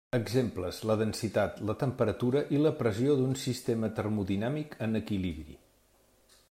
Exemples: la densitat, la temperatura i la pressió d'un sistema termodinàmic en equilibri.